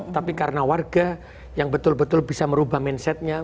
tapi karena warga yang betul betul bisa merubah mindsetnya